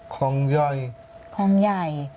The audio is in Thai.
คลองใหญ่